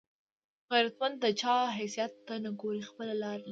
غیرتمند د چا حیثیت ته نه ګوري، خپله لار لري